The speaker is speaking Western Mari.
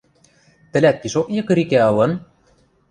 тӹлӓт пишок йыкырикӓ ылын?